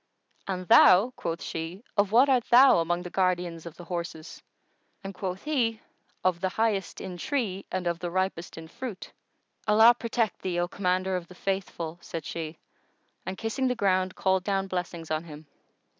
"And thou," quoth she, "of what art thou among the guardians of the horses?"; and quoth he, "Of the highest in tree and of the ripest in fruit." "Allah protect thee, O Commander of the Faithful!" said she, and kissing ground called down blessings on him.